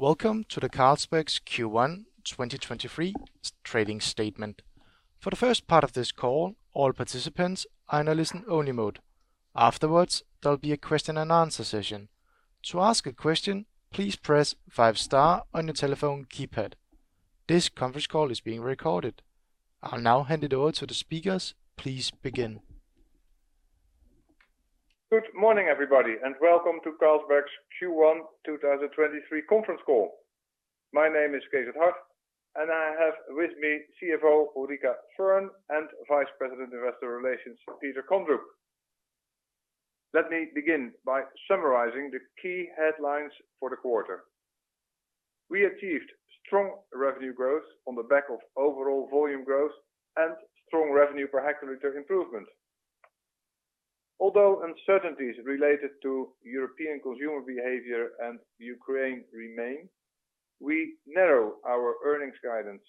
Welcome to the Carlsberg Q1 2023 trading statement. For the first part of this call, all participants are in a listen-only mode. Afterwards, there'll be a question and answer session. To ask a question, please press five star on your telephone keypad. This conference call is being recorded. I'll now hand it over to the speakers. Please begin. Good morning, everybody, welcome to Carlsberg Q1 2023 conference call. My name is Cees 't Hart, I have with me CFO Ulrica Fearn and Vice President of Investor Relations, Peter Kondrup. Let me begin by summarizing the key headlines for the quarter. We achieved strong revenue growth on the back of overall volume growth and strong revenue per hectolitre improvement. Although uncertainties related to European consumer behavior and Ukraine remain, I narrow our earnings guidance,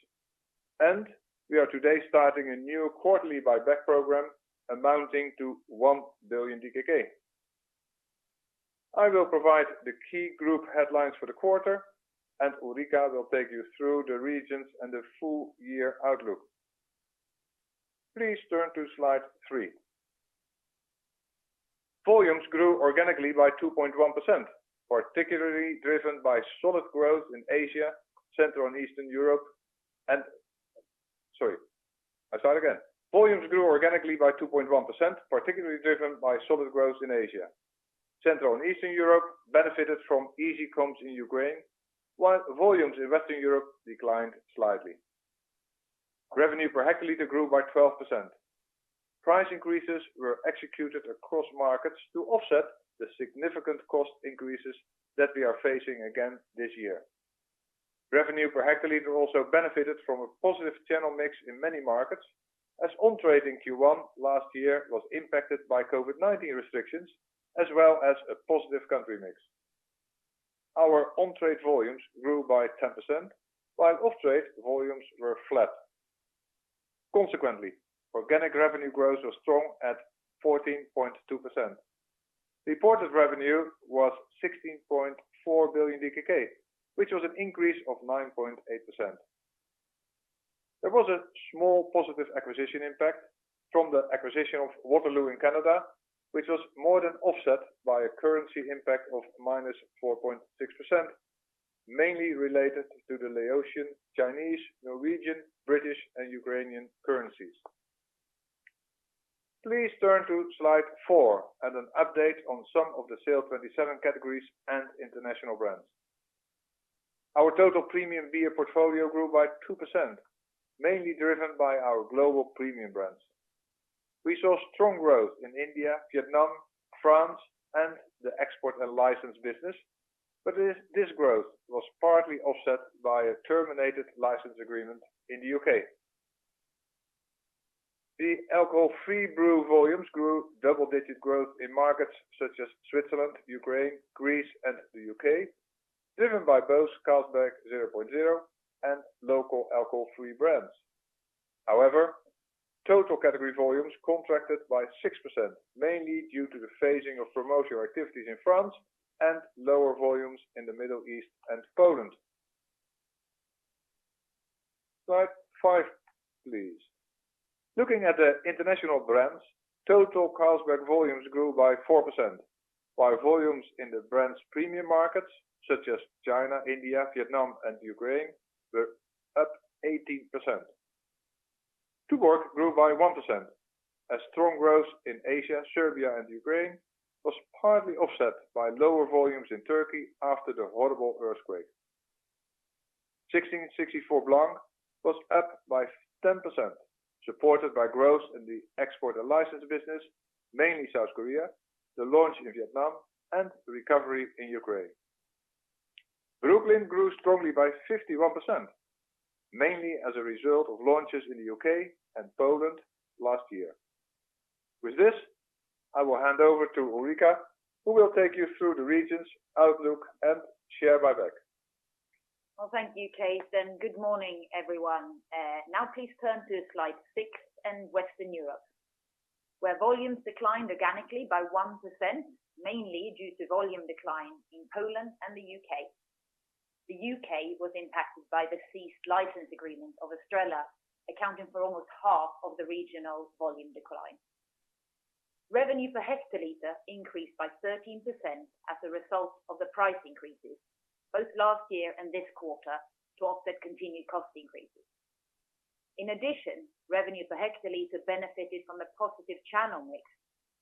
and we are today starting a new quarterly buyback program amounting to 1 billion DKK. I will provide the key group headlines for the quarter, and Ulrika will take you through the regions and the full year outlook. Please turn to slide 3. Volumes grew organically by 2.1%, particularly driven by solid growth in Asia, Central and Eastern Europe. Sorry, I'll start again. Volumes grew organically by 2.1%, particularly driven by solid growth in Asia. Central and Eastern Europe benefited from easy comps in Ukraine, while volumes in Western Europe declined slightly. Revenue per hectolitre grew by 12%. Price increases were executed across markets to offset the significant cost increases that we are facing again this year. Revenue per hectolitre also benefited from a positive channel mix in many markets as on-trade in Q1 last year was impacted by COVID-19 restrictions as well as a positive country mix. Our on-trade volumes grew by 10%, while off-trade volumes were flat. Consequently, organic revenue growth was strong at 14.2%. Reported revenue was 16.4 billion DKK, which was an increase of 9.8%. There was a small positive acquisition impact from the acquisition of Waterloo in Canada, which was more than offset by a currency impact of -4.6%, mainly related to the Laotian, Chinese, Norwegian, British, and Ukrainian currencies. Please turn to slide 4 at an update on some of the SAIL'27 categories and international brands. Our total premium beer portfolio grew by 2%, mainly driven by our global premium brands. We saw strong growth in India, Vietnam, France and the Export and License business, this growth was partly offset by a terminated license agreement in the UK. The alcohol-free brew volumes grew double-digit growth in markets such as Switzerland, Ukraine, Greece and the UK, driven by both Carlsberg 0.0 and local alcohol-free brands. Total category volumes contracted by 6%, mainly due to the phasing of promotional activities in France and lower volumes in the Middle East and Poland. Slide 5, please. Looking at the international brands, total Carlsberg volumes grew by 4%, while volumes in the brand's premium markets such as China, India, Vietnam and Ukraine were up 18%. Tuborg grew by 1% as strong growth in Asia, Serbia and Ukraine was partly offset by lower volumes in Turkey after the horrible earthquake. 1664 Blanc was up by 10%, supported by growth in the Export and License business, mainly South Korea, the launch in Vietnam and the recovery in Ukraine. Brooklyn grew strongly by 51%, mainly as a result of launches in the U.K. and Poland last year. With this, I will hand over to Ulrica who will take you through the regions, outlook and share buyback. Well, thank you, Cees, and good morning, everyone. Now please turn to slide 6 and Western Europe, where volumes declined organically by 1%, mainly due to volume decline in Poland and the UK. The UK was impacted by the ceased license agreement of Estrella, accounting for almost half of the regional volume decline. Revenue per hectolitre increased by 13% as a result of the price increases both last year and this quarter to offset continued cost increases. In addition, revenue per hectolitre benefited from the positive channel mix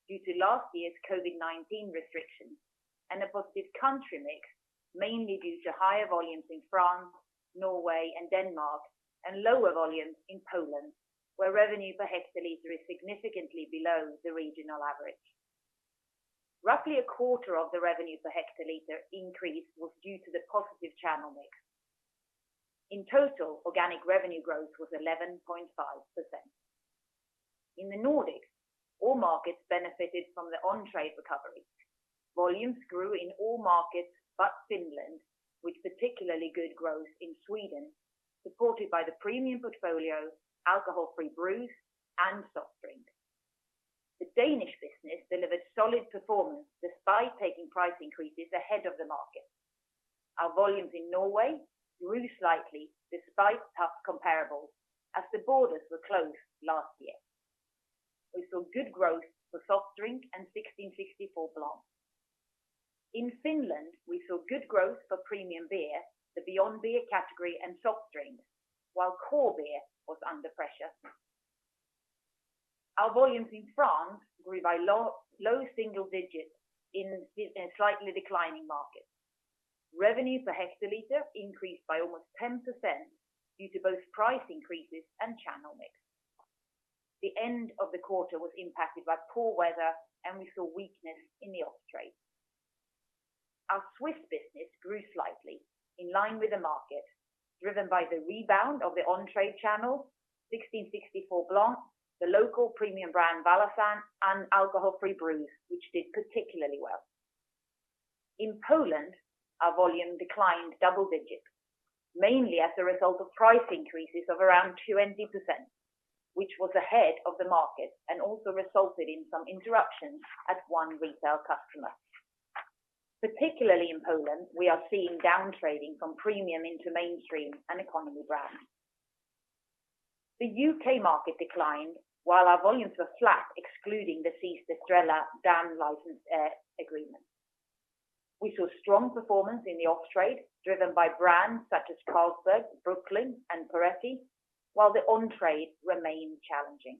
due to last year's COVID-19 restrictions and a positive country mix, mainly due to higher volumes in France, Norway and Denmark, and lower volumes in Poland, where revenue per hectolitre is significantly below the regional average. Roughly a quarter of the revenue per hectolitre increase was due to the positive channel mix. In total, organic revenue growth was 11.5%. In the Nordics, all markets benefited from the on-trade recovery. Volumes grew in all markets, but Finland, with particularly good growth in Sweden, supported by the premium portfolio, alcohol-free brews and soft drinks. The Danish business delivered solid performance despite taking price increases ahead of the market. Our volumes in Norway grew slightly despite tough comparables as the borders were closed last year. We saw good growth for soft drink and 1664 Blanc. In Finland, we saw good growth for premium beer, the Beyond Beer category and soft drinks, while core beer was under pressure. Our volumes in France grew by low, low single digits in a slightly declining market. Revenue per hectoliter increased by almost 10% due to both price increases and channel mix. The end of the quarter was impacted by poor weather, and we saw weakness in the off-trade. Our Swiss business grew slightly in line with the market, driven by the rebound of the on-trade channel, 1664 Blanc, the local premium brand Valaisanne, and alcohol-free brews, which did particularly well. In Poland, our volume declined double digits, mainly as a result of price increases of around 2.5%, which was ahead of the market and also resulted in some interruptions at one retail customer. Particularly in Poland, we are seeing downtrading from premium into mainstream and economy brands. The UK market declined while our volumes were flat excluding the Estrella Damm license agreement. We saw strong performance in the off-trade, driven by brands such as Carlsberg, Brooklyn and Poretti, while the on-trade remained challenging.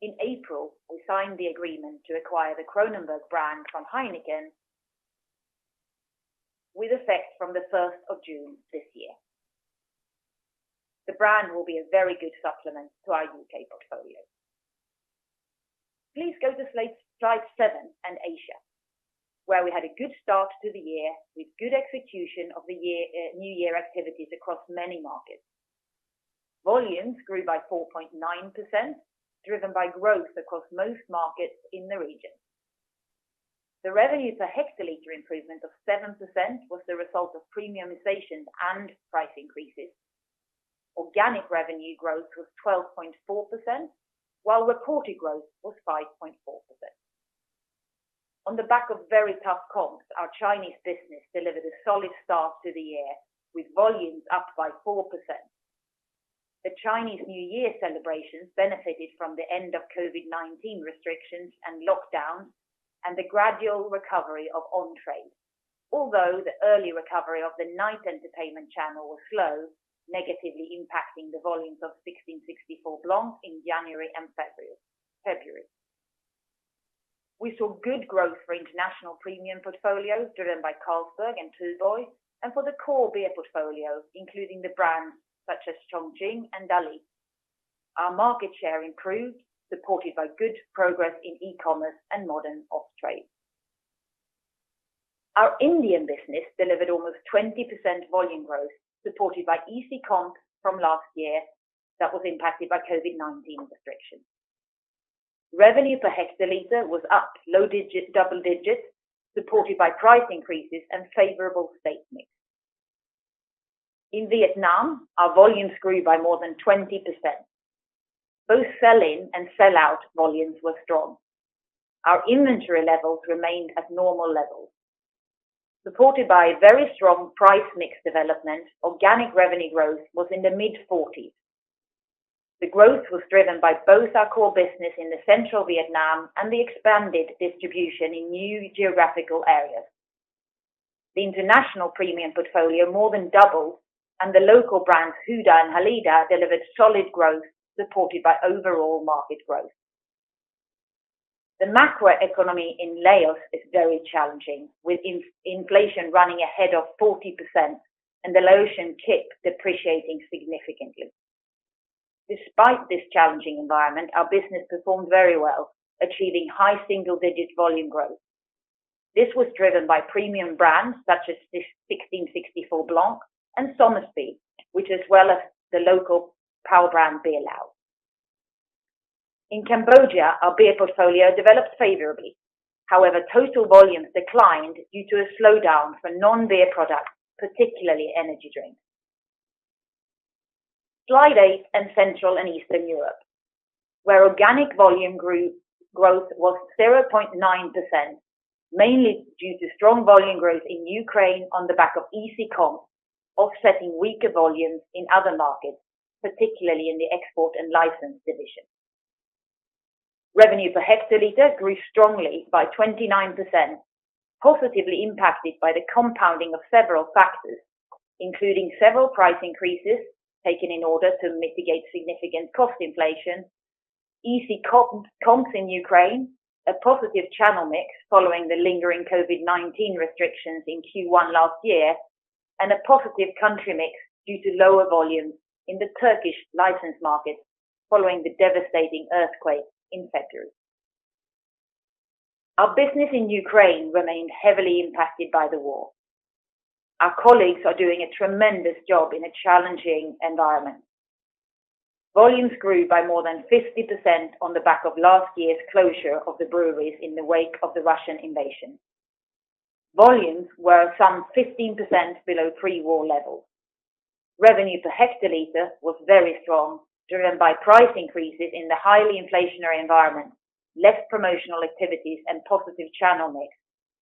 In April, we signed the agreement to acquire the Kronenbourg brand from Heineken with effect from the 1st of June this year. The brand will be a very good supplement to our UK portfolio. Please go to slide seven and Asia, where we had a good start to the year with good execution of the New Year activities across many markets. Volumes grew by 4.9%, driven by growth across most markets in the region. The revenue per hectoliter improvement of 7% was the result of premiumization and price increases. Organic revenue growth was 12.4%, while reported growth was 5.4%. On the back of very tough comps, our Chinese business delivered a solid start to the year, with volumes up by 4%. The Chinese New Year celebrations benefited from the end of COVID-19 restrictions and lockdowns and the gradual recovery of on-trade. Although the early recovery of the night entertainment channel was slow, negatively impacting the volumes of 1664 Blanc in January and February. We saw good growth for international premium portfolios driven by Carlsberg and Tuborg and for the core beer portfolio, including the brands such as Chongqing and Dali. Our market share improved, supported by good progress in e-commerce and modern off-trade. Our Indian business delivered almost 20% volume growth, supported by easy comps from last year that was impacted by COVID-19 restrictions. Revenue per hectoliter was up low digit, double digits, supported by price increases and favorable state mix. In Vietnam, our volumes grew by more than 20%. Both sell-in and sell-out volumes were strong. Our inventory levels remained at normal levels. Supported by a very strong price mix development, organic revenue growth was in the mid-40s. The growth was driven by both our core business in central Vietnam and the expanded distribution in new geographical areas. The international premium portfolio more than doubled and the local brands, Huda and Halida, delivered solid growth supported by overall market growth. The macro economy in Laos is very challenging, with inflation running ahead of 40% and the Laotian kip depreciating significantly. Despite this challenging environment, our business performed very well, achieving high single-digit volume growth. This was driven by premium brands such as 1664 Blanc and Somersby, which as well as the local power brand Beerlao. In Cambodia, our beer portfolio developed favorably. Total volumes declined due to a slowdown for non-beer products, particularly energy drinks. Slide eight and Central and Eastern Europe, where organic volume growth was 0.9%, mainly due to strong volume growth in Ukraine on the back of easy comps offsetting weaker volumes in other markets, particularly in the Export and License division. Revenue per hectoliter grew strongly by 29%, positively impacted by the compounding of several factors, including several price increases taken in order to mitigate significant cost inflation, easy comps in Ukraine, a positive channel mix following the lingering COVID-19 restrictions in Q1 last year, and a positive country mix due to lower volumes in the Turkish licensed markets following the devastating earthquake in February. Our business in Ukraine remained heavily impacted by the war. Our colleagues are doing a tremendous job in a challenging environment. Volumes grew by more than 50% on the back of last year's closure of the breweries in the wake of the Russian invasion. Volumes were some 15% below pre-war levels. revenue per hectolitre was very strong, driven by price increases in the highly inflationary environment, less promotional activities and positive channel mix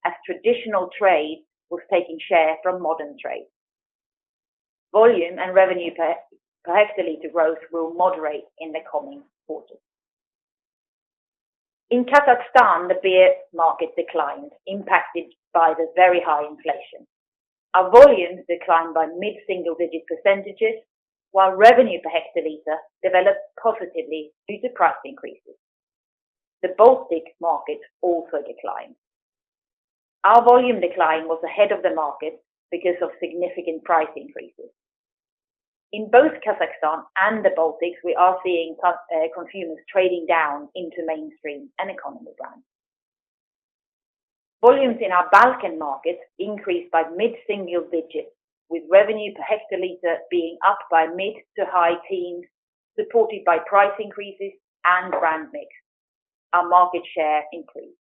as traditional trade was taking share from modern trade. Volume and revenue per hectolitre growth will moderate in the coming quarters. In Kazakhstan, the beer market declined, impacted by the very high inflation. Our volumes declined by mid-single-digit percent, while revenue per hectolitre developed positively due to price increases. The Baltic market also declined. Our volume decline was ahead of the market because of significant price increases. In both Kazakhstan and the Baltics, we are seeing consumers trading down into mainstream and economy brands. Volumes in our Balkan markets increased by mid-single digits, with revenue per hectolitre being up by mid to high teens, supported by price increases and brand mix. Our market share increased.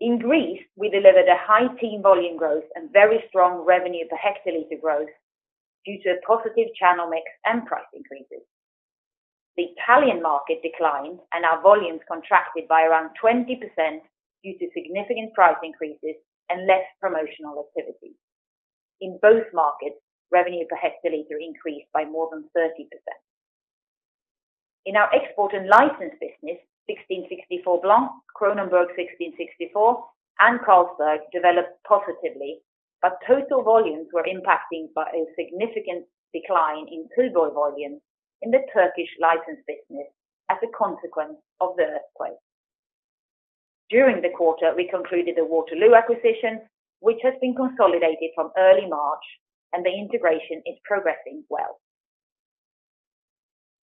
In Greece, we delivered a high teen volume growth and very strong revenue per hectolitre growth due to a positive channel mix and price increases. The Italian market declined, and our volumes contracted by around 20% due to significant price increases and less promotional activity. In both markets, revenue per hectolitre increased by more than 30%. In our export and licensed business, 1664 Blanc, Kronenbourg 1664 and Carlsberg developed positively, but total volumes were impacted by a significant decline in Tuborg volumes in the Turkish licensed business as a consequence of the earthquake. During the quarter, we concluded the Waterloo acquisition, which has been consolidated from early March and the integration is progressing well.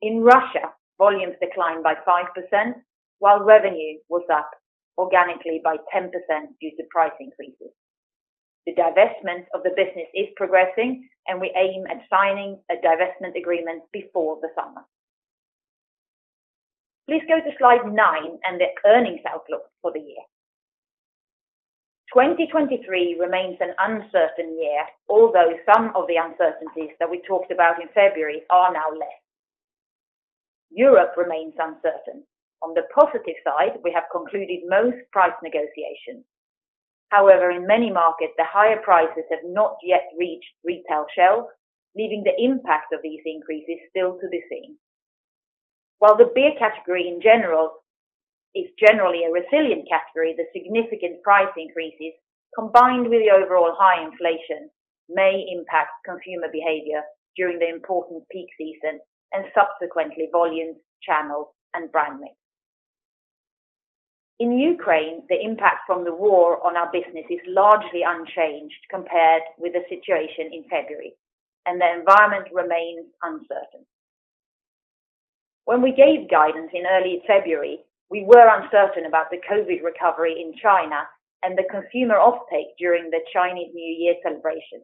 In Russia, volumes declined by 5%, while revenue was up organically by 10% due to price increases. The divestment of the business is progressing, and we aim at signing a divestment agreement before the summer. Please go to slide 9 and the earnings outlook for the year. 2023 remains an uncertain year, although some of the uncertainties that we talked about in February are now less. Europe remains uncertain. On the positive side, we have concluded most price negotiations. However, in many markets the higher prices have not yet reached retail shelves, leaving the impact of these increases still to be seen. While the beer category in general is generally a resilient category, the significant price increases, combined with the overall high inflation, may impact consumer behavior during the important peak season and subsequently volumes, channel and brand mix. In Ukraine, the impact from the war on our business is largely unchanged compared with the situation in February, and the environment remains uncertain. When we gave guidance in early February, we were uncertain about the COVID recovery in China and the consumer offtake during the Chinese New Year celebration.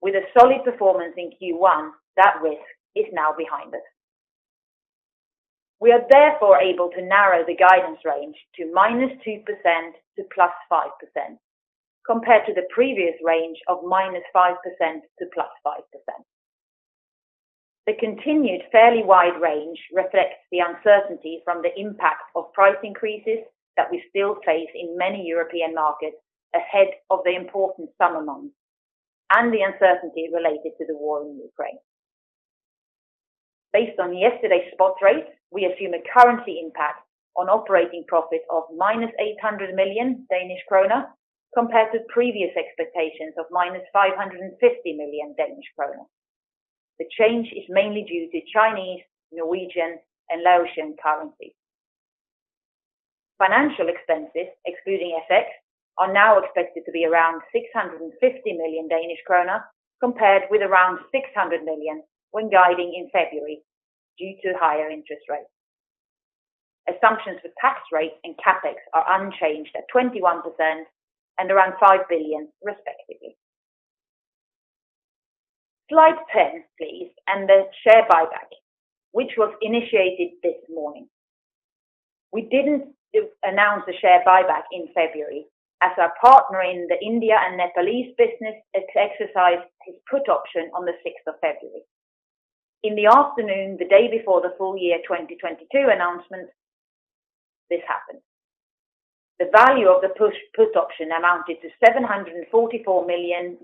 With a solid performance in Q1, that risk is now behind us. We are therefore able to narrow the guidance range to -2% to +5% compared to the previous range of -5% to +5%. The continued fairly wide range reflects the uncertainty from the impact of price increases that we still face in many European markets ahead of the important summer months and the uncertainty related to the war in Ukraine. Based on yesterday's spot rates, we assume a currency impact on operating profit of -800 million Danish krone, compared to previous expectations of -550 million Danish krone. The change is mainly due to Chinese, Norwegian and Laotian currency. Financial expenses, excluding FX, are now expected to be around 650 million Danish krone, compared with around 600 million when guiding in February due to higher interest rates. Assumptions for tax rate and CapEx are unchanged at 21% and around 5 billion respectively. Slide 10, please, and the share buyback, which was initiated this morning. We didn't announce the share buyback in February as our partner in the India and Nepalese business exercised his put option on the 6th of February. In the afternoon, the day before the full year 2022 announcement, this happened. The value of the put option option amounted to $744 million,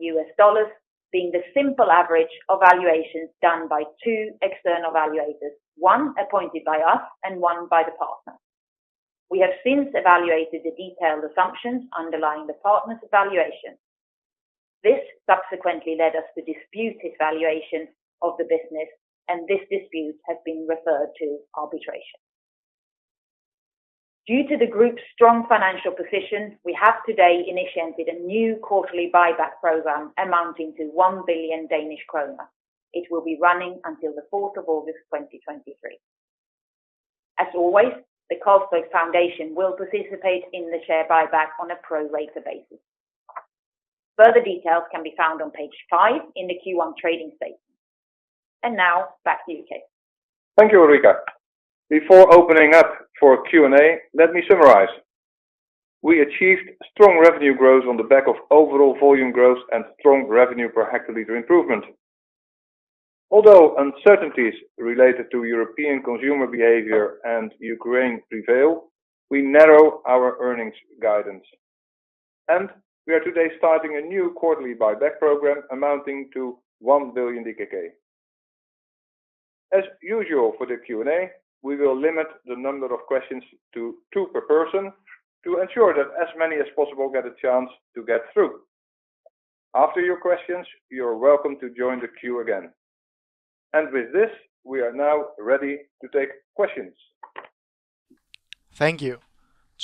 being the simple average of valuations done by two external valuators, one appointed by us and one by the partner. We have since evaluated the detailed assumptions underlying the partner's valuation. This subsequently led us to dispute his valuation of the business, and this dispute has been referred to arbitration. Due to the group's strong financial position, we have today initiated a new quarterly buyback program amounting to 1 billion Danish kroner. It will be running until the 4th of August 2023. As always, the Carlsberg Foundation will participate in the share buyback on a pro-rata basis. Further details can be found on page five in the Q1 trading statement. Now back to you, Cees 't Hart. Thank you, Ulrica. Before opening up for Q&A, let me summarize. We achieved strong revenue growth on the back of overall volume growth and strong revenue per hectoliter improvement. Although uncertainties related to European consumer behavior and Ukraine prevail, we narrow our earnings guidance. We are today starting a new quarterly buyback program amounting to 1 billion DKK. As usual for the Q&A, we will limit the number of questions to two per person to ensure that as many as possible get a chance to get through. After your questions, you're welcome to join the queue again. With this, we are now ready to take questions. Thank you.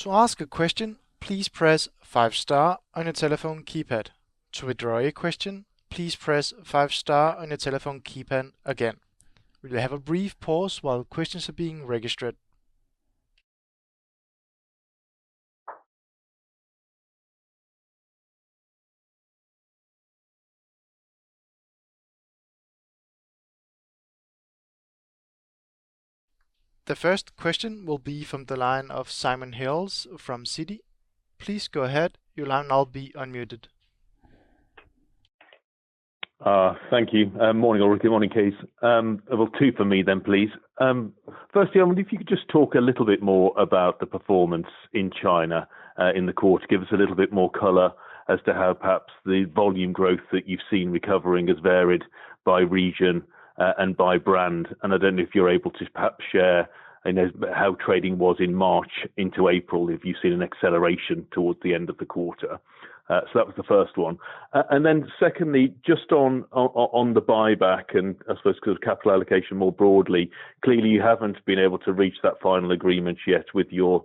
To ask a question, please press five star on your telephone keypad. To withdraw your question, please press five star on your telephone keypad again. We will have a brief pause while questions are being registered. The first question will be from the line of Simon Hales from Citi. Please go ahead. Your line will now be unmuted. Thank you. Morning, Ulrica. Morning, Cees. Well, two for me then, please. Firstly, I wonder if you could just talk a little bit more about the performance in China in the quarter. Give us a little bit more color as to how perhaps the volume growth that you've seen recovering has varied by region and by brand. I don't know if you're able to perhaps share, you know, how trading was in March into April, if you've seen an acceleration towards the end of the quarter. That was the first one. Then secondly, just on the buyback, and I suppose because capital allocation more broadly, clearly, you haven't been able to reach that final agreement yet with your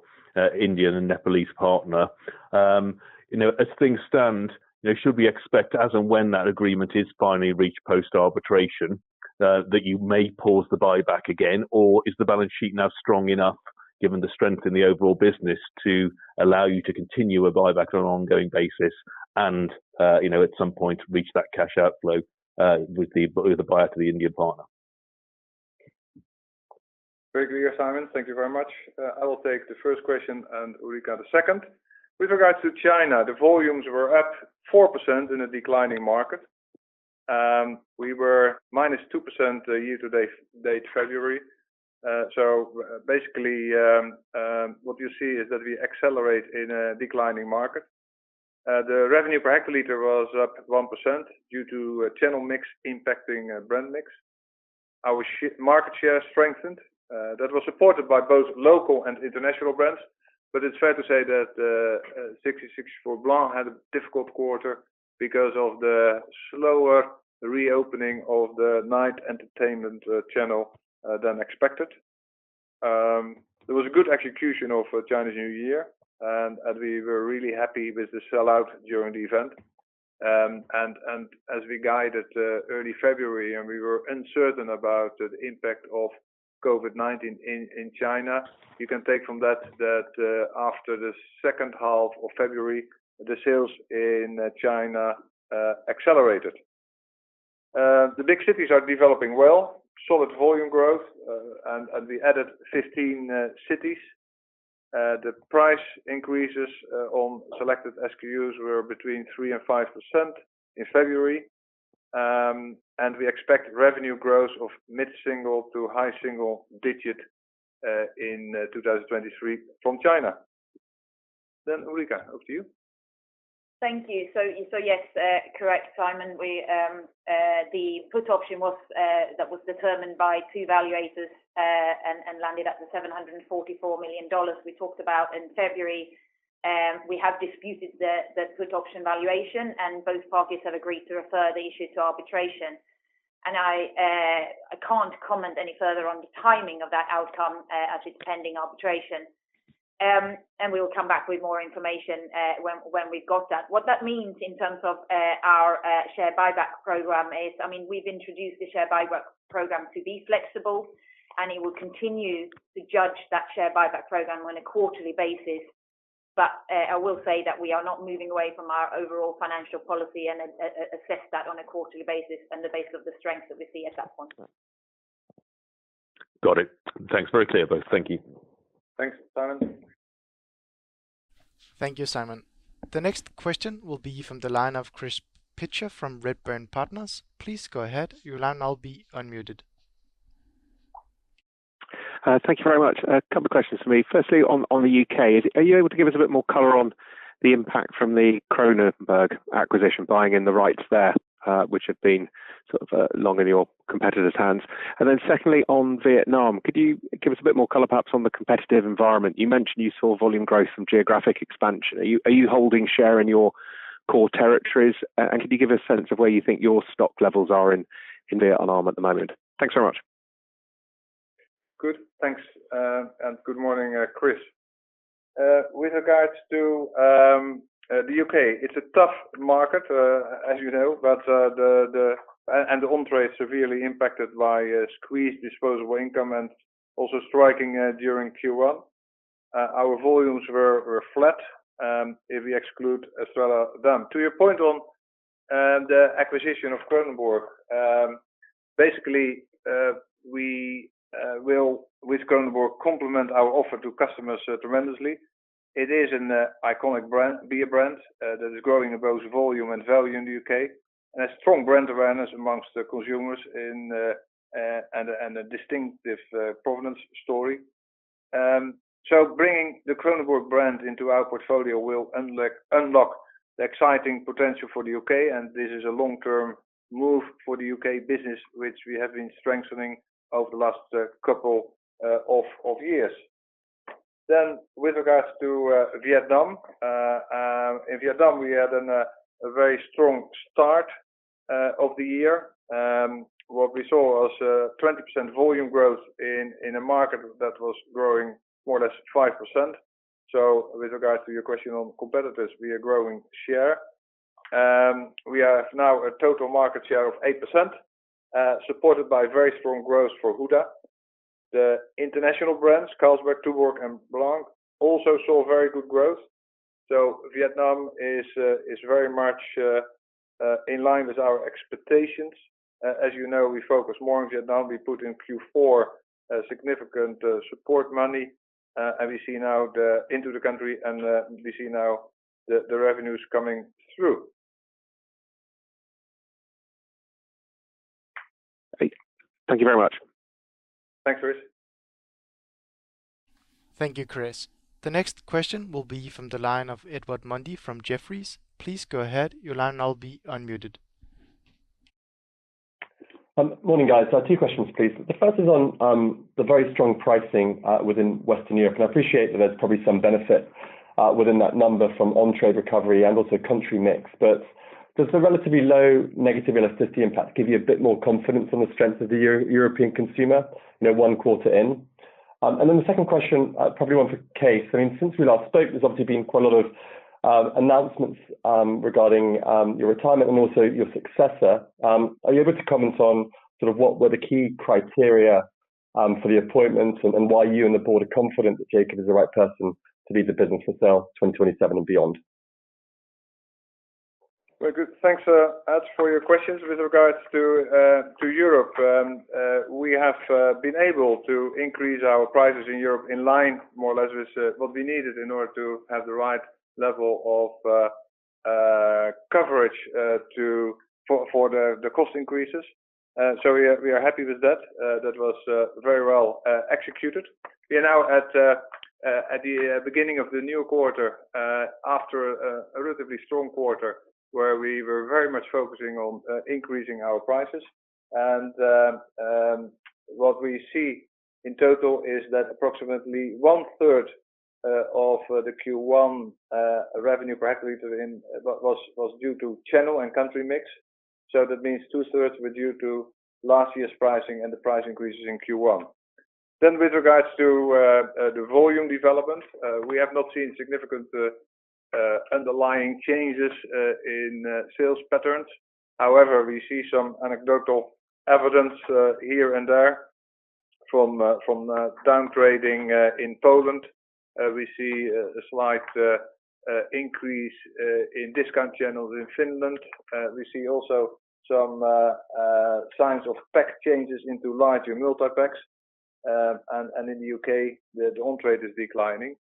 Indian and Nepalese partner. You know, as things stand, you know, should we expect as and when that agreement is finally reached post-arbitration, that you may pause the buyback again? Is the balance sheet now strong enough, given the strength in the overall business, to allow you to continue a buyback on an ongoing basis and, you know, at some point reach that cash outflow, with the buyer to the Indian partner? Very clear, Simon Hales. Thank you very much. I will take the first question, and Ulrica Fearn, the second. With regards to China, the volumes were up 4% in a declining market. We were -2% year to date February. Basically, what you see is that we accelerate in a declining market. The revenue per hectoliter was up 1% due to a channel mix impacting brand mix. Our market share strengthened. That was supported by both local and international brands. It's fair to say that 1664 Blanc had a difficult quarter because of the slower reopening of the night entertainment channel than expected. There was a good execution of Chinese New Year, and we were really happy with the sell-out during the event. As we guided early February, we were uncertain about the impact of COVID-19 in China, you can take from that after the second half of February, the sales in China accelerated. The big cities are developing well, solid volume growth, we added 15 cities. The price increases on selected SKUs were between 3% and 5% in February. We expect revenue growth of mid-single to high single digit in 2023 from China. Ulrica, over to you. Thank you. Yes, correct, Simon. We, the put option was that was determined by two valuators and landed at $744 million we talked about in February. We have disputed the put option valuation, and both parties have agreed to refer the issue to arbitration. I can't comment any further on the timing of that outcome as it's pending arbitration. We will come back with more information when we've got that. What that means in terms of our share buyback program is, I mean, we've introduced the share buyback program to be flexible, and it will continue to judge that share buyback program on a quarterly basis. I will say that we are not moving away from our overall financial policy and assess that on a quarterly basis on the basis of the strength that we see at that point. Got it. Thanks. Very clear, both. Thank you. Thanks, Simon. Thank you, Simon. The next question will be from the line of Chris Pitcher from Redburn Partners. Please go ahead. Your line will now be unmuted. Thank you very much. A couple questions from me. Firstly, on the U.K., are you able to give us a bit more color on the impact from the Kronenbourg acquisition, buying in the rights there, which have been sort of, long in your competitor's hands? Secondly, on Vietnam, could you give us a bit more color perhaps on the competitive environment? You mentioned you saw volume growth from geographic expansion. Are you holding share in your core territories? And could you give us a sense of where you think your stock levels are in Vietnam at the moment? Thanks so much. Good. Thanks. Good morning, Chris. With regards to the U.K., it's a tough market, as you know, the on-trade is severely impacted by a squeezed disposable income and also striking during Q1. Our volumes were flat, if we exclude Estrella Damm. To your point on the acquisition of Kronenbourg, basically, we will, with Kronenbourg, complement our offer to customers tremendously. It is an iconic brand, beer brand, that is growing both volume and value in the U.K., and a strong brand awareness amongst the consumers in and a distinctive provenance story. Bringing the Kronenbourg brand into our portfolio will unlock the exciting potential for the U.K., and this is a long-term move for the U.K. business, which we have been strengthening over the last couple of years. With regards to Vietnam, in Vietnam, we had a very strong start of the year. What we saw was 20% volume growth in a market that was growing more or less 5%. With regards to your question on competitors, we are growing share. We have now a total market share of 8%, supported by very strong growth for Huda. The international brands, Carlsberg, Tuborg and Blanc, also saw very good growth. Vietnam is very much in line with our expectations. As you know, we focus more on Vietnam. We put in Q4 significant support money into the country, and we see now the revenues coming through. Great. Thank you very much. Thanks, Chris. Thank you, Chris. The next question will be from the line of Edward Mundy from Jefferies. Please go ahead. Your line will now be unmuted. Morning, guys. Two questions, please. The first is on the very strong pricing within Western Europe, and I appreciate that there's probably some benefit within that number from on-trade recovery and also country mix. Does the relatively low negative elasticity impact give you a bit more confidence on the strength of the European consumer, you know, one quarter in? Then the second question, probably 1 for Cees. I mean, since we last spoke, there's obviously been quite a lot of announcements regarding your retirement and also your successor. Are you able to comment on sort of what were the key criteria for the appointment and why you and the board are confident that Jacob is the right person to lead the business itself 2027 and beyond? Well, good. Thanks, Ed, for your questions. With regards to Europe, we have been able to increase our prices in Europe in line more or less with what we needed in order to have the right level of coverage for the cost increases. We are happy with that. That was very well executed. We are now at the beginning of the new quarter, after a relatively strong quarter where we were very much focusing on increasing our prices. What we see in total is that approximately 1/3 of the Q1 revenue per hectolitre was due to channel and country mix. That means 2/3 were due to last year's pricing and the price increases in Q1. With regards to the volume development, we have not seen significant underlying changes in sales patterns. However, we see some anecdotal evidence here and there from downgrading in Poland. We see a slight increase in discount channels in Finland. We see also some signs of pack changes into larger multipacks. In the UK, the on-trade is declining.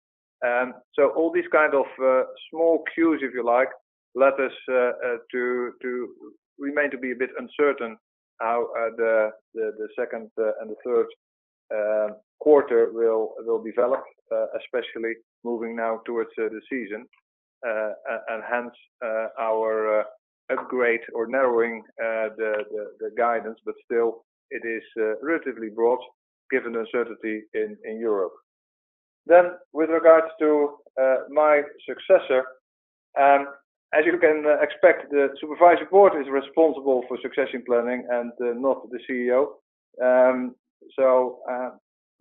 All these kind of small cues, if you like, led us to remain to be a bit uncertain how the second and the third quarter will develop, especially moving now towards the season. And hence, our upgrade or narrowing the guidance, but still it is relatively broad given the uncertainty in Europe. With regards to my successor, as you can expect, the Supervisory Board is responsible for succession planning and not the CEO.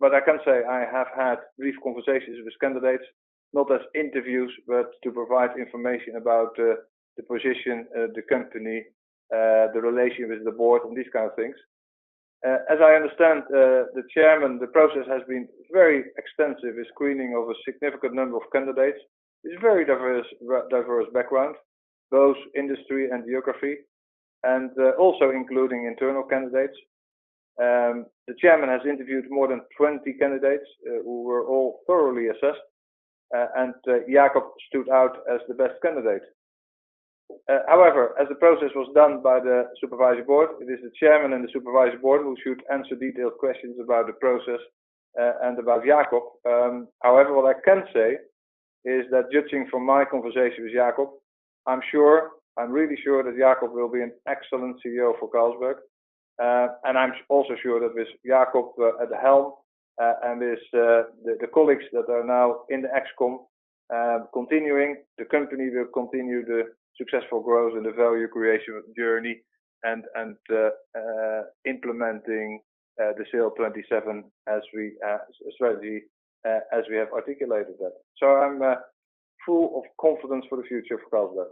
I can say I have had brief conversations with candidates, not as interviews, but to provide information about the position, the company, the relationship with the board and these kind of things. As I understand, the Chairman, the process has been very extensive with screening of a significant number of candidates with very diverse backgrounds, both industry and geography, and also including internal candidates. The Chairman has interviewed more than 20 candidates, who were all thoroughly assessed, and Jacob stood out as the best candidate. However, as the process was done by the Supervisory Board, it is the Chairman and the Supervisory Board who should answer detailed questions about the process, and about Jacob. However, what I can say is that judging from my conversation with Jacob, I'm sure, I'm really sure that Jacob will be an excellent CEO for Carlsberg. I'm also sure that with Jacob, at the helm, and with the colleagues that are now in the ExCom, continuing, the company will continue the successful growth and the value creation journey and, implementing the SAIL'27 as we strategy, as we have articulated that. I'm full of confidence for the future of Carlsberg.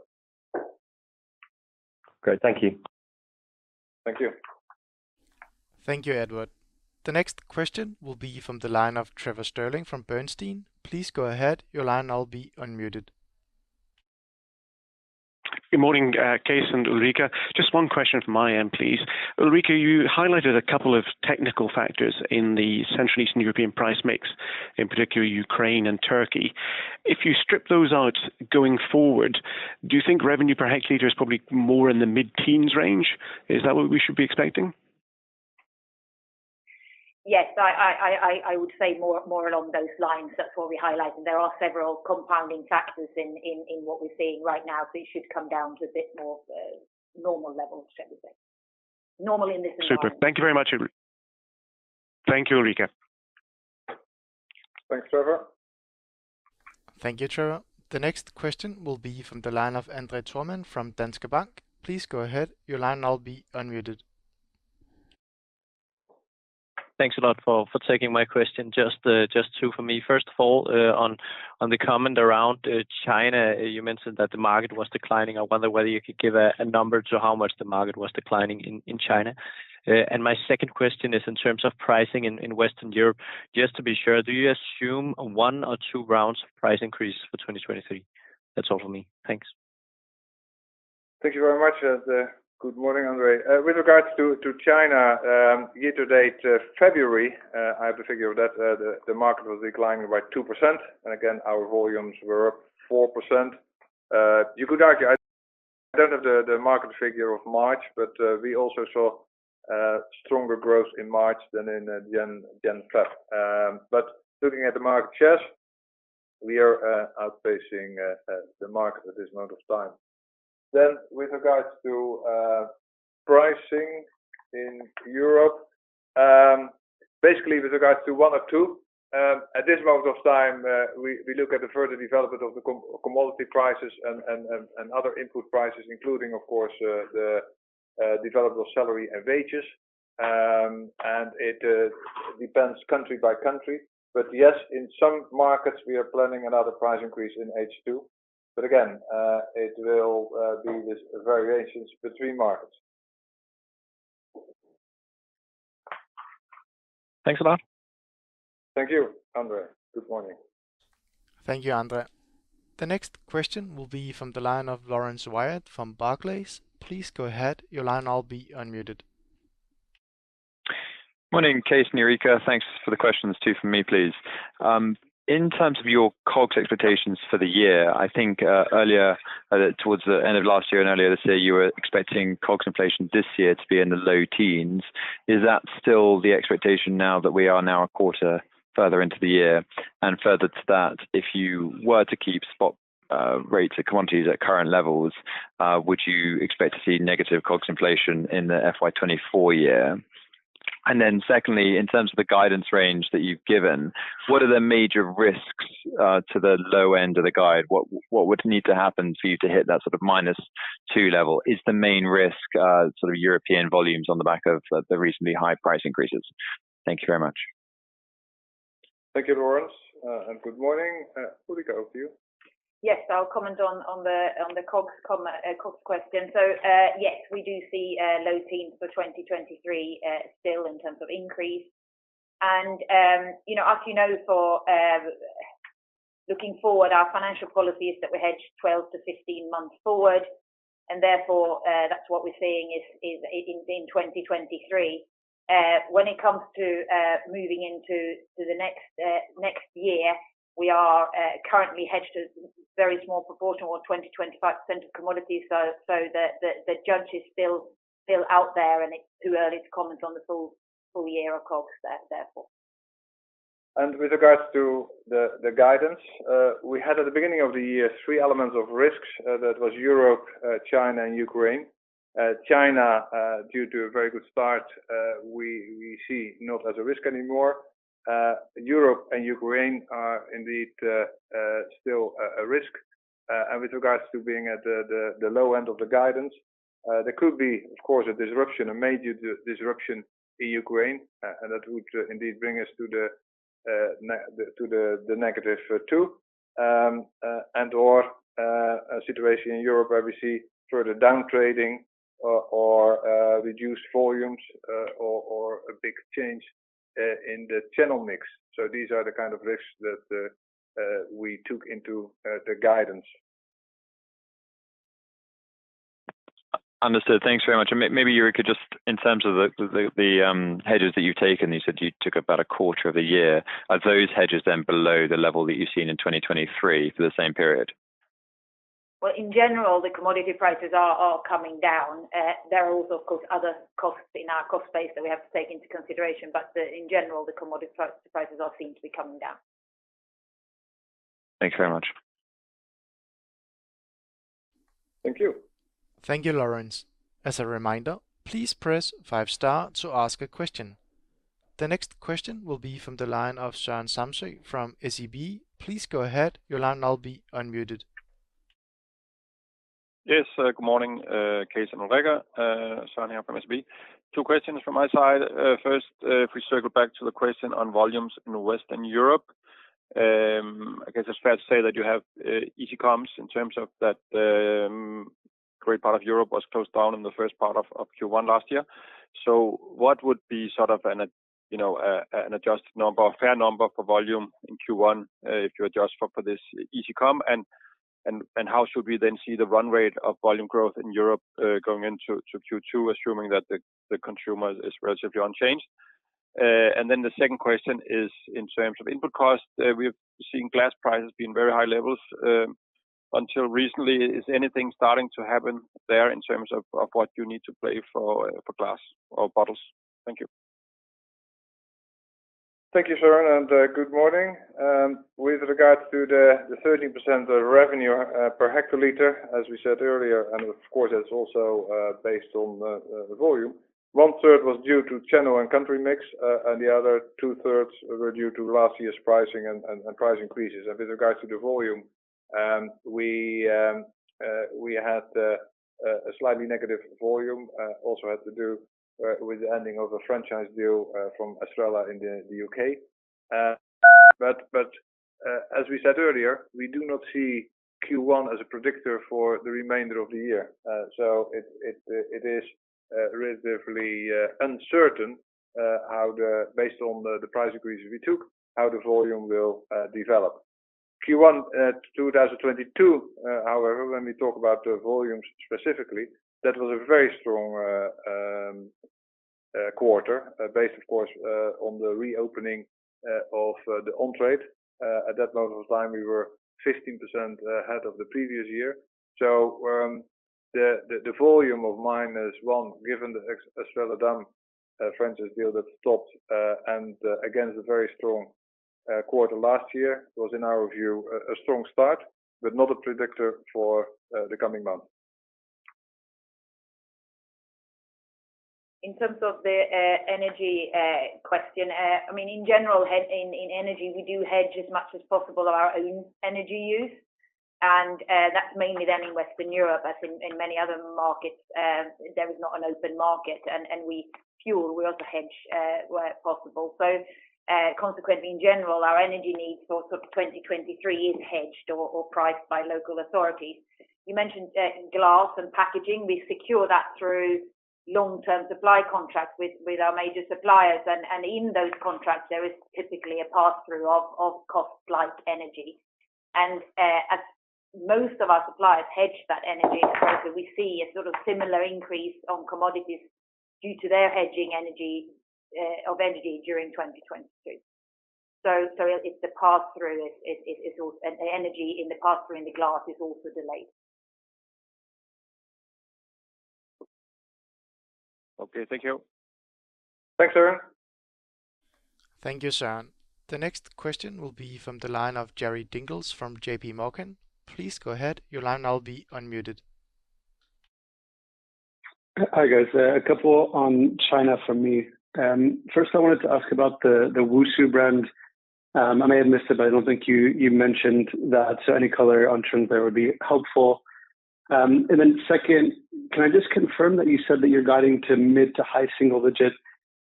Great. Thank you. Thank you. Thank you, Edward. The next question will be from the line of Trevor Stirling from Bernstein. Please go ahead. Your line will now be unmuted. Good morning, Cees and Ulrica. Just one question from my end, please. Ulrica, you highlighted a couple of technical factors in the Central Eastern European price mix, in particular Ukraine and Turkey. If you strip those out going forward, do you think revenue per hectare is probably more in the mid-teens range? Is that what we should be expecting? Yes. I would say more along those lines. That's what we're highlighting. There are several compounding factors in what we're seeing right now. It should come down to a bit more of a normal level, shall we say. Normal in this environment. Super. Thank you very much, Ulrica. Thank you, Ulrica. Thanks, Trevor. Thank you, Trevor. The next question will be from the line of André Thormann from Danske Bank. Please go ahead. Your line will now be unmuted. Thanks a lot for taking my question. Just two for me. First of all, on the comment around China, you mentioned that the market was declining. I wonder whether you could give a number to how much the market was declining in China. My second question is in terms of pricing in Western Europe, just to be sure, do you assume one or two rounds of price increase for 2023? That's all for me. Thanks. Thank you very much. Good morning, André. With regards to China, year to date, February, I have to figure that the market was declining by 2%, again, our volumes were up 4%. I don't have the market figure of March, we also saw stronger growth in March than in January. Looking at the market shares, we are outpacing the market at this moment of time. With regards to pricing in Europe, basically with regards to one or two, at this moment of time, we look at the further development of the commodity prices and other input prices, including, of course, the development of salary and wages. It depends country by country. Yes, in some markets we are planning another price increase in H2. Again, it will be with variations between markets. Thanks a lot. Thank you, André. Good morning. Thank you, André. The next question will be from the line of Laurence Whyatt from Barclays. Please go ahead. Your line will now be unmuted. Morning, Cees and Ulrica. Thanks for the questions. Two from me, please. In terms of your COGS expectations for the year, I think earlier towards the end of last year and earlier this year, you were expecting COGS inflation this year to be in the low teens. Is that still the expectation now that we are now a quarter further into the year? Further to that, if you were to keep spot rates at quantities at current levels, would you expect to see negative COGS inflation in the FY 2024 year? Secondly, in terms of the guidance range that you've given, what are the major risks to the low end of the guide? What would need to happen for you to hit that sort of -2 level? Is the main risk, sort of European volumes on the back of the recently high price increases? Thank you very much. Thank you, Laurence, and good morning. Ulrica, over to you. Yes, I'll comment on the COGS comment, COGS question. Yes, we do see low teens for 2023 still in terms of increase. You know, as you know, for looking forward our financial policy is that we hedge 12 to 15 months forward, and therefore, that's what we're seeing is in 2023. When it comes to moving into the next next year, we are currently hedged a very small proportion or 20%-25% of commodities. The judge is still out there, and it's too early to comment on the full year of COGS therefore. With regards to the guidance, we had at the beginning of the year three elements of risks. That was Europe, China and Ukraine. China, due to a very good start, we see not as a risk anymore. Europe and Ukraine are indeed still a risk. With regards to being at the low end of the guidance, there could be, of course, a disruption, a major disruption in Ukraine, and that would indeed bring us to the -2. A situation in Europe where we see further downtrading or reduced volumes, or a big change in the channel mix. These are the kind of risks that we took into the guidance. Understood. Thanks very much. maybe, Ulrica, just in terms of the hedges that you've taken, you said you took about a quarter of a year. Are those hedges then below the level that you've seen in 2023 for the same period? In general, the commodity prices are coming down. There are also, of course, other costs in our cost base that we have to take into consideration. In general, the commodity prices are seen to be coming down. Thanks very much. Thank you. Thank you, Laurence. As a reminder, please press five star to ask a question. The next question will be from the line of Søren Samsøe from SEB. Please go ahead. Your line will now be unmuted. Yes. Good morning, Cees and Ulrica. Søren here from SEB. Two questions from my side. First, if we circle back to the question on volumes in Western Europe. I guess it's fair to say that you have easy comps in terms of that, great part of Europe was closed down in the first part of Q1 last year. What would be sort of an, you know, an adjusted number, a fair number for volume in Q1, if you adjust for this easy comp? How should we then see the run rate of volume growth in Europe, going into Q2, assuming that the consumer is relatively unchanged? The second question is in terms of input costs. We've seen glass prices being very high levels until recently. Is anything starting to happen there in terms of what you need to pay for glass or bottles? Thank you. Thank you, Søren, good morning. With regards to the 13% of revenue per hectolitre, as we said earlier, of course that's also based on the volume. 1/3 was due to channel and country mix, the other 2/3 were due to last year's pricing and price increases. With regards to the volume, we had a slightly negative volume, also had to do with the ending of a franchise deal from Estrella in the U.K. As we said earlier, we do not see Q1 as a predictor for the remainder of the year. It is relatively uncertain how, based on the price increases we took, the volume will develop. Q1 2022, when we talk about the volumes specifically, that was a very strong quarter, based of course, on the reopening of the on-trade. At that moment of time, we were 15% ahead of the previous year. The volume of -1, given the Estrella Damm franchise deal that stopped, and against the very strong quarter last year was in our view a strong start, but not a predictor for the coming months. In terms of the energy question, I mean, in general, in energy, we do hedge as much as possible of our own energy use and that's mainly then in Western Europe. As in many other markets, there is not an open market and fuel, we also hedge where possible. Consequently, in general, our energy needs for sort of 2023 is hedged or priced by local authorities. You mentioned glass and packaging. We secure that through long-term supply contracts with our major suppliers. In those contracts, there is typically a pass-through of costs like energy. As most of our suppliers hedge that energy exposure, we see a sort of similar increase on commodities due to their hedging energy of energy during 2022. It's the pass-through is and energy in the pass-through in the glass is also delayed. Okay. Thank you. Thanks, Søren. Thank you, Søren. The next question will be from the line of Jared Dinges from JPMorgan. Please go ahead. Your line now will be unmuted. Hi, guys. A couple on China from me. First I wanted to ask about the Wusu brand. I may have missed it, but I don't think you mentioned that, so any color on trends there would be helpful. Then second, can I just confirm that you said that you're guiding to mid to high single digit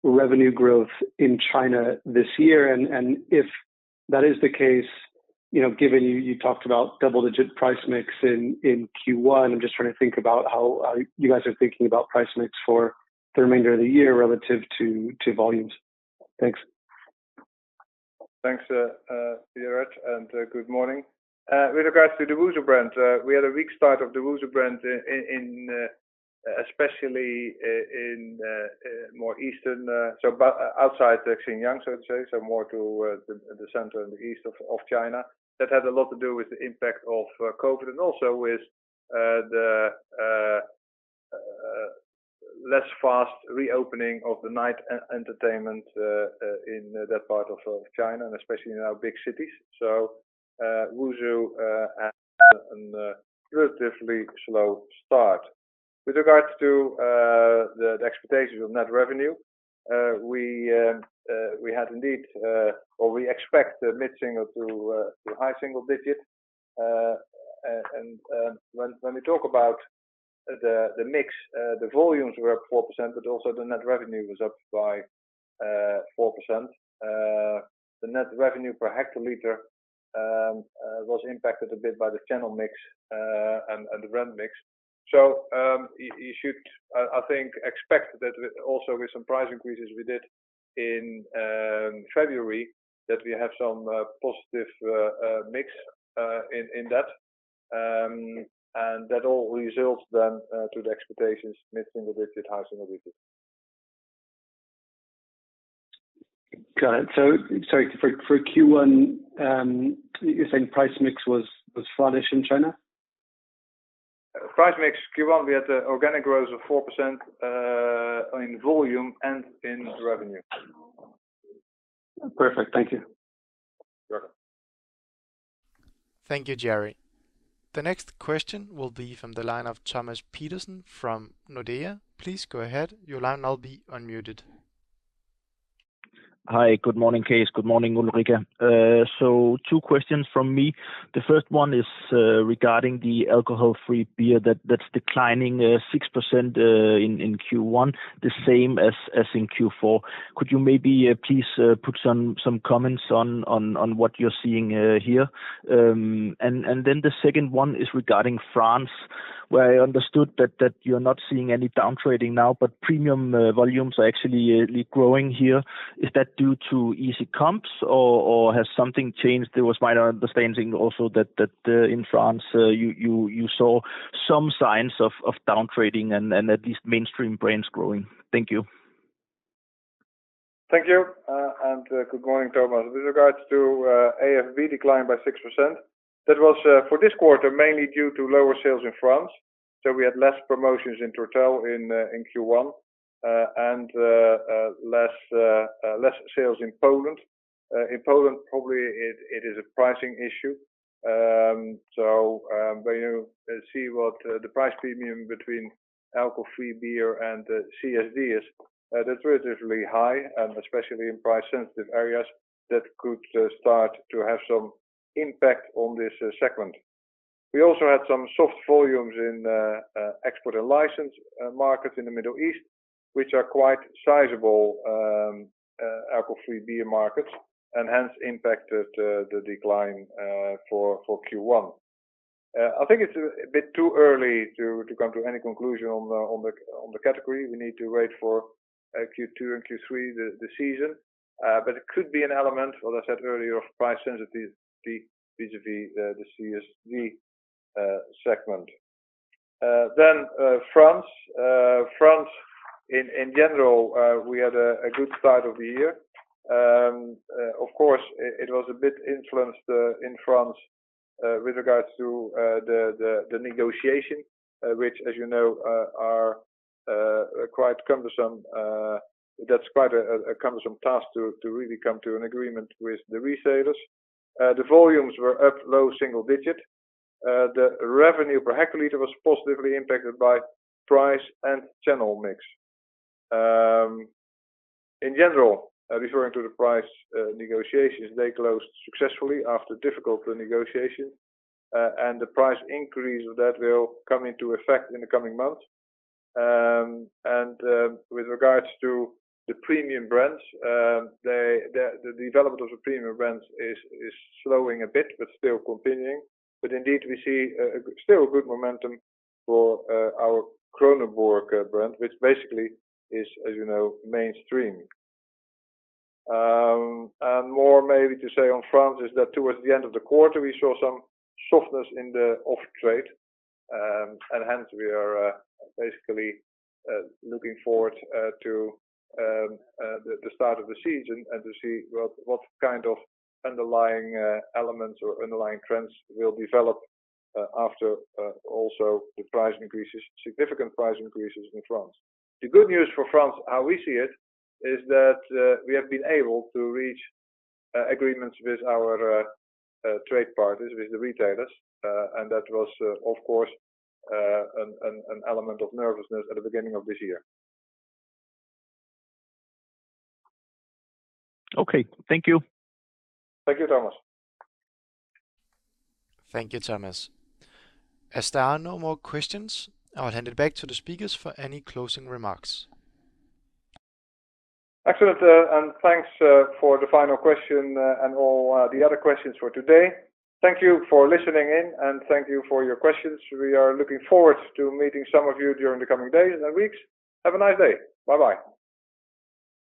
revenue growth in China this year? If that is the case, you know, given you talked about double-digit price mix in Q1, I'm just trying to think about how you guys are thinking about price mix for the remainder of the year relative to volumes. Thanks. Thanks, Jared, and good morning. With regards to the Wusu brand, we had a weak start of the Wusu brand in, especially in, more eastern, so outside the Xinjiang, I would say, so more to the center and the east of China. That had a lot to do with the impact of COVID and also with the less fast reopening of the night entertainment in that part of China and especially in our big cities. Wusu had a relatively slow start. With regards to the expectations of net revenue, we had indeed, or we expect mid-single to high single digit. When we talk about the mix, the volumes were up 4%, but also the net revenue was up by 4%. The net revenue per hectoliter was impacted a bit by the channel mix and the brand mix. You should, I think, expect that also with some price increases we did in February, that we have some positive mix in that. That all results then to the expectations mid-single digit, high single digit. Got it. Sorry, for Q1, you're saying price mix was flattish in China? Price mix Q1, we had organic growth of 4%, in volume and in revenue. Perfect. Thank you. You're welcome. Thank you, Jared. The next question will be from the line of Thomas Peterson from Nordea. Please go ahead. Your line now will be unmuted. Hi. Good morning, Cees. Good morning, Ulrica. Two questions from me. The first one is regarding the alcohol-free beer that's declining 6% in Q1, the same as in Q4. Could you maybe please put some comments on what you're seeing here? The second one is regarding France. Where I understood that you're not seeing any downtrading now, but premium volumes are actually growing here. Is that due to easy comps or has something changed? There was my understanding also that in France you saw some signs of downtrading and at least mainstream brands growing. Thank you. Thank you, and good morning, Thomas. With regards to AFB decline by 6%, that was for this quarter, mainly due to lower sales in France. We had less promotions in total in Q1, and less sales in Poland. In Poland, probably it is a pricing issue. When you see what the price premium between alcohol-free beer and CSD is, that's relatively high, and especially in price sensitive areas that could start to have some impact on this segment. We also had some soft volumes in export and licensed markets in the Middle East, which are quite sizable alcohol-free beer markets and hence impacted the decline for Q1. I think it's a bit too early to come to any conclusion on the, on the, on the category. We need to wait for Q2 and Q3, the season. It could be an element, as I said earlier, of price sensitivity vis-a-vis the CSD segment. France. France in general, we had a good start of the year. Of course, it was a bit influenced in France with regards to the, the negotiation, which as you know, are quite cumbersome. That's quite a cumbersome task to really come to an agreement with the resellers. The volumes were up low single digit. The revenue per hectolitre was positively impacted by price and channel mix. In general, referring to the price negotiations, they closed successfully after difficult negotiations, the price increase of that will come into effect in the coming months. With regards to the premium brands, the development of the premium brands is slowing a bit, but still continuing. Indeed, we see still good momentum for our Kronenbourg brand, which basically is, as you know, mainstream. More maybe to say on France is that towards the end of the quarter, we saw some softness in the off-trade. Hence we are basically looking forward to the start of the season and to see what kind of underlying elements or underlying trends will develop after also the price increases-- significant price increases in France. The good news for France, how we see it, is that, we have been able to reach agreements with our trade parties, with the retailers. That was of course, an element of nervousness at the beginning of this year. Okay. Thank you. Thank you, Thomas. Thank you, Thomas. As there are no more questions, I'll hand it back to the speakers for any closing remarks. Excellent, and thanks for the final question, and all the other questions for today. Thank you for listening in, and thank you for your questions. We are looking forward to meeting some of you during the coming days and weeks. Have a nice day. Bye-bye.